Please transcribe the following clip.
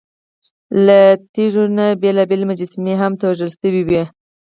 له تیږو نه بېلابېلې مجسمې هم توږل شوې وې.